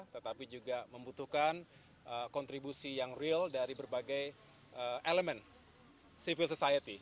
tetapi juga membutuhkan kontribusi yang real dari berbagai elemen civil society